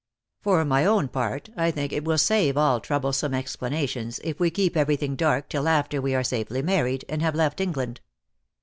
"For my own part I think it will save all troublesome explanations if we keep everything dark till after we are safely married, and have left England.